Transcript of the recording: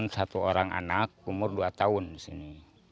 satu orang anak umur dua tahun di sini